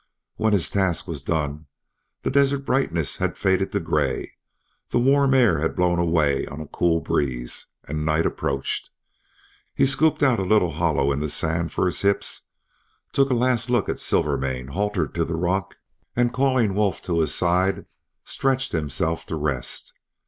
When his task was done the desert brightness had faded to gray; the warm air had blown away on a cool breeze, and night approached. He scooped out a little hollow in the sand for his hips, took a last look at Silvermane haltered to the rock, and calling Wolf to his side stretched himself to rest.